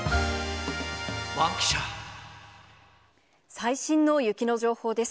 最新の雪の情報です。